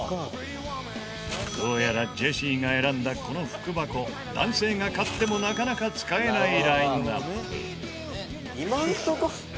どうやらジェシーが選んだこの福箱男性が買ってもなかなか使えないラインアップ。